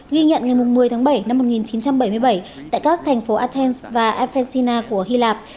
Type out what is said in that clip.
ghi nhận ngày một mươi tháng bảy năm một nghìn chín trăm bảy mươi bảy tại các thành phố athens và ephesina của hy lạp